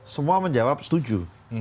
semua menjawab setuju